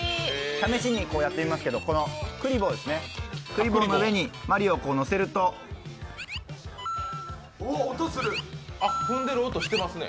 試しにやってみますけど、クリボーの上にマリオを乗せると踏んでる音してますね。